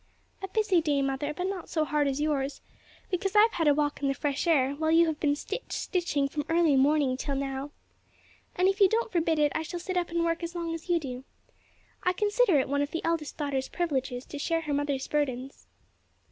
"A busy day, mother; but not so hard as yours, because I have had a walk in the fresh air while you have been stitch, stitching from early morning till now. And if you don't forbid it I shall sit up and work as long as you do. I consider it one of the eldest daughter's privileges to share her mother's burdens."